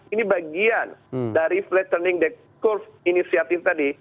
ini bagian dari flattening the curve initiative tadi